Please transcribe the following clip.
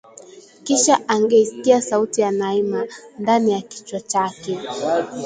Kisha angeisikia sauti ya Naima ndani ya kichwa chake